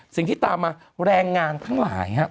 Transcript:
สิ่งที่ตามมาแรงงานทั้งหลายครับ